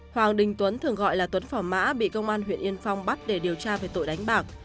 hoàng đình tuấn thường gọi là tuấn phỏ mã bị công an huyện yên phong bắt để điều tra về tội đánh bạc